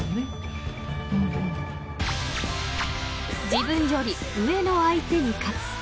［自分より上の相手に勝つ］